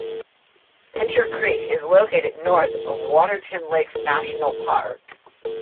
Pincher Creek is located north of Waterton Lakes National Park.